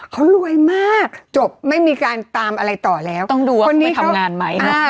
เขารวยมากจบไม่มีการตามอะไรต่อแล้วต้องดูว่าคนที่ทำงานไหม